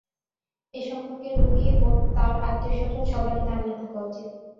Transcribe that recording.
এ সম্পর্কে রোগী ও তার আত্মীয়স্বজন সবারই ধারণা থাকা উচিত।